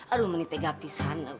aduh ini tega pisan